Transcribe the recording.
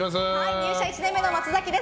入社１年目の松崎です。